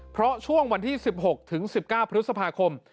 เพราะช่วงวันที่๑๖ถึง๑๙พฤษภาคม